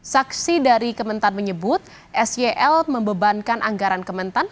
saksi dari kementan menyebut sel membebankan anggaran kementan